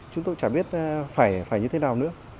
chúng tôi chả biết phải như thế nào nữa